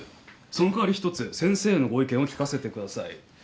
その代わり一つ先生のご意見を聞かせてください。